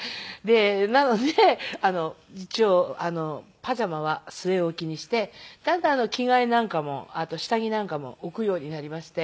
なので一応パジャマは据え置きにしてだんだん着替えなんかもあと下着なんかも置くようになりまして。